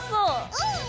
うん！